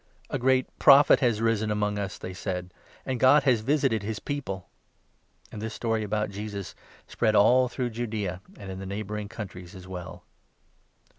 "A great Prophet has arisen among us," they said ; "and God has visited his people." And this story about Jesus spread all through Judaea, and in 17 the neighbouring countries as well.